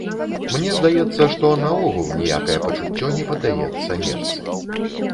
Мне здаецца, што наогул ніякае пачуццё не паддаецца мерцы.